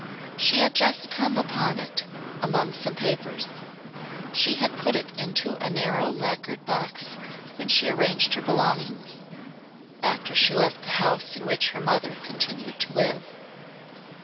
She had just come upon it among some papers. She had put it into a narrow lacquered box when she arranged her belongings, after she left the house in which her mother continued to live.